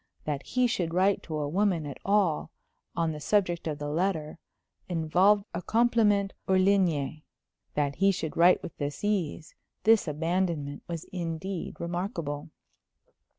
That he should write to a woman at all, on the subjects of the letter, involved a compliment hors ligne; that he should write with this ease, this abandonment, was indeed remarkable.